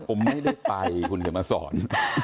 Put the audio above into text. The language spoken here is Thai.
ผมไม่ได้ไปคุณก็มาสอน